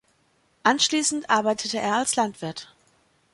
Anschließend arbeitete er als Landwirt.